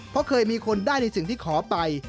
เพราะเคยมีคนได้ในสิ่งที่ขอไป